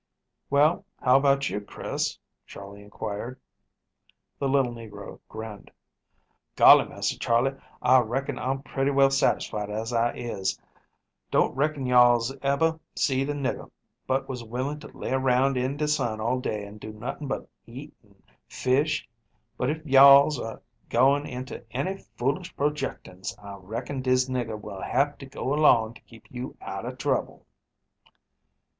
"Well, how about you, Chris?" Charley inquired. The little negro grinned. "Golly, Massa Charley, I reckon I'm pretty well satisfied as I is. Don't reckon you alls ebber seed a nigger but was willing to lay around in de sun all day an' do nothin' but eat an' fish, but if you alls are goin' into any foolish projectin's, I reckon dis nigger will hab to go along to keep you outer trouble."